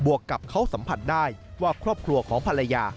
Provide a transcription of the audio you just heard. วกกับเขาสัมผัสได้ว่าครอบครัวของภรรยา